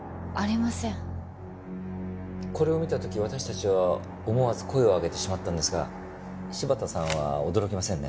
これを見た時私たちは思わず声を上げてしまったんですが柴田さんは驚きませんね。